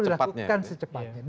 ini perlu dilakukan secepatnya